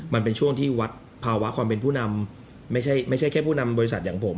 มันเป็นช่วงที่วัดภาวะความเป็นผู้นำไม่ใช่แค่ผู้นำบริษัทอย่างผม